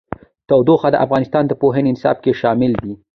تودوخه د افغانستان د پوهنې نصاب کې شامل دي.